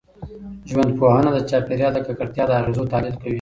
ژوندپوهنه د چاپېریال د ککړتیا د اغېزو تحلیل کوي.